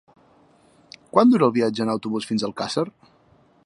Quant dura el viatge en autobús fins a Alcàsser?